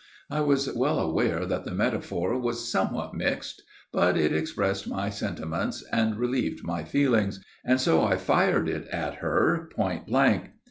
I was well aware that the metaphor was somewhat mixed; but it expressed my sentiments and relieved my feelings, and so I fired it at her point blank.